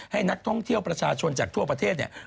ให้นักท่องเที่ยวประชาชนจากทั่วประเทศเนี่ย